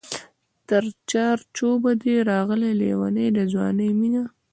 تر چار چوبه دی راغلې لېونۍ د ځوانۍ مینه